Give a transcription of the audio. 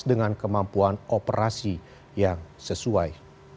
dengan kemampuan operasi yang sesuai